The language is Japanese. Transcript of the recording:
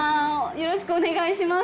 よろしくお願いします。